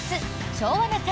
「昭和な会」